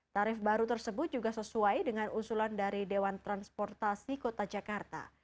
tarif baru tersebut juga sesuai dengan usulan dari dewan transportasi kota jakarta